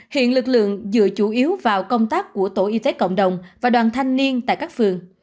hiện lực lượng dựa chủ yếu vào công tác của tổ y tế cộng đồng và đoàn thanh niên tại các phường